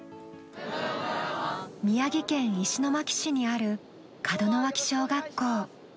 宮城県石巻市にある門脇小学校。